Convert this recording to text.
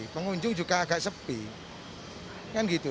pengunjung juga agak sepi